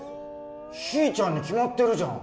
ひーちゃんに決まってるじゃん。